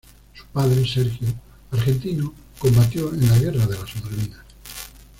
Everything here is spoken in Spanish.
Su padre, Sergio, argentino, combatió en la Guerra de las Malvinas.